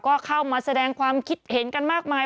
ก็เข้ามาแสดงความคิดเห็นกันมากมาย